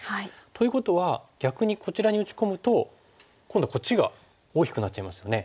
ということは逆にこちらに打ち込むと今度はこっちが大きくなっちゃいますよね。